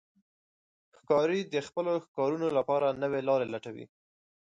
ښکاري د خپلو ښکارونو لپاره نوې لارې لټوي.